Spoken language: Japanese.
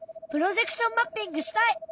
プロジェクションマッピングしたい！